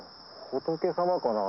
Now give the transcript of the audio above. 仏様かな？